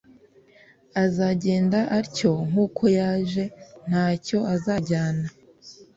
azagenda atyo nk’ uko yaje nta cyo azajyana